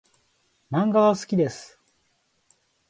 漫画が好きです。